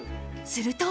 すると。